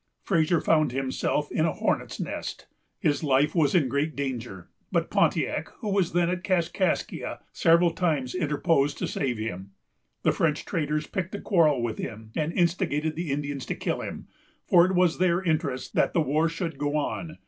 Fraser found himself in a hornet's nest. His life was in great danger; but Pontiac, who was then at Kaskaskia, several times interposed to save him. The French traders picked a quarrel with him, and instigated the Indians to kill him; for it was their interest that the war should go on.